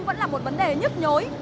vẫn là một vấn đề nhức nhối